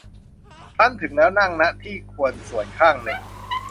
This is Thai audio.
ครั้นถึงแล้ว นั่ง ณ ที่ควรส่วนข้างหนึ่ง